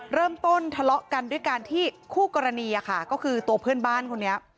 เริ่มต้นทะเลาะกันด้วยการที่คู่กรณีค่ะก็คือตัวเพื่อนบ้านคนนี้